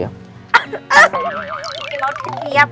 gimana kamu udah siap